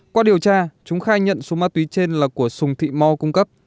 qua điều tra chúng khai nhận số ma túy trên là của sùng thị mo cung cấp